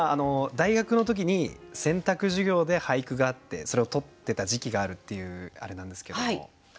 大学の時に選択授業で俳句があってそれをとってた時期があるっていうあれなんですけれども。